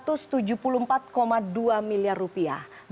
jumlah yang sama juga didapatkan oleh anas urbaningrum dan juga muhammad nazaruddin ii